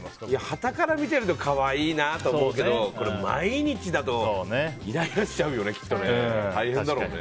はたから見ていると可愛いなと思うけど毎日だとイライラしちゃうよねきっとね。